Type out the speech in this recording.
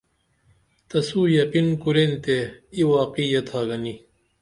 تسو یقین کُرین تے ای واقعی یتھا گنی